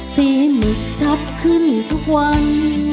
เสียงชับขึ้นทุกวัน